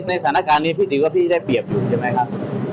ในสถานการณ์นี้พี่ถือว่าพี่ได้เปรียบอยู่ใช่ไหมครับ